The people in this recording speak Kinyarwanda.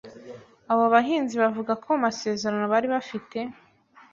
Aba bahinzi bavuga ko mu masezerano bari bafite